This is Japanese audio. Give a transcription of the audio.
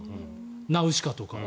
「ナウシカ」とか。